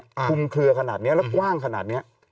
คุมเคลือขนาดนี้แล้วกว้างขนาดนี้